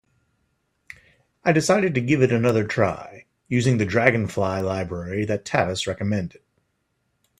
I decided to give it another try, using the Dragonfly library that Tavis recommended.